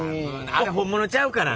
これ本物ちゃうからね。